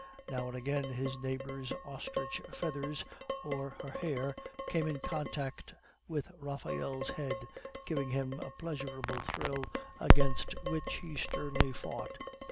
Now and again his neighbor's ostrich feathers or her hair came in contact with Raphael's head, giving him a pleasurable thrill, against which he sternly fought.